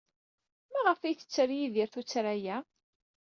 Maɣef ay tetter Yidir tuttra-a?